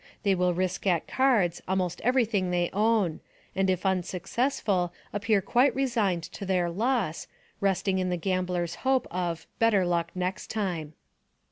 They will risk at cards almost every thing they own, and if un successful appear quite resigned to their loss, resting in the gambler's hope of " better luck next time."